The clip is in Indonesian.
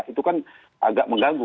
itu kan agak mengganggu